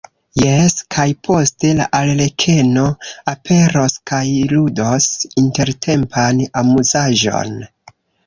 Jes, kaj poste la arlekeno aperos kaj ludos intertempan amuzaĵon.